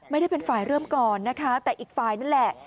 มีการฆ่ากันห้วย